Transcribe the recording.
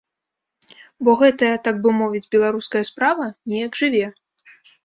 Бо гэтая, так бы мовіць, беларуская справа неяк жыве.